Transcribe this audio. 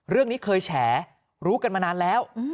เรื่องนี้เคยแฉรู้กันมานานแล้ว